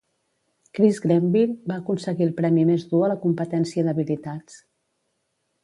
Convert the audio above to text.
Chris Grenville va aconseguir el premi més dur a la competència d'habilitats.